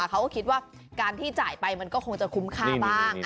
เขาก็คิดว่าการที่จ่ายไปมันก็คงจะคุ้มค่าบ้าง